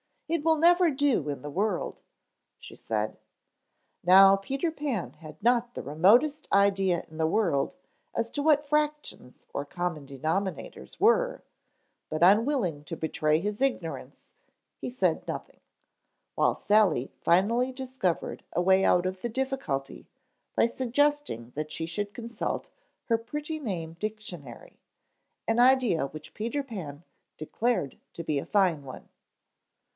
It will never do in the world," she said. Now Peter Pan had not the remotest idea in the world as to what fractions or common denominators were, but unwilling to betray his ignorance he said nothing, while Sally finally discovered a way out of the difficulty by suggesting that they should consult her Pretty Name Dictionary, an idea which Peter Pan declared to be a fine one.